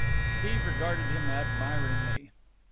Steve regarded him admiringly.